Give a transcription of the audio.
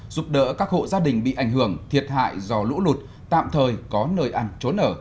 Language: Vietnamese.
giúp đỡ các hộ gia đình bị ảnh hưởng thiệt hại do lũ lụt tạm thời có nơi ăn trốn ở